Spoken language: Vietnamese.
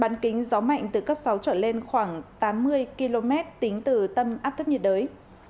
bán kính gió mạnh từ cấp sáu trở lên khoảng tám mươi km tính từ tâm áp thấp nhiệt đới